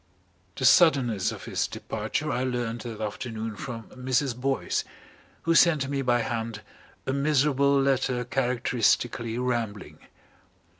The suddenness of his departure I learned that afternoon from Mrs. Boyce, who sent me by hand a miserable letter characteristically rambling.